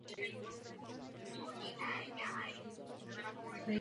V každé skladbě jsou vždy dva stejné hudební nástroje a jeden vypravěč.